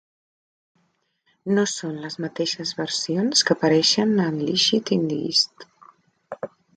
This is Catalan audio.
"No" són les mateixes versions que apareixen a "Unleashed in the East".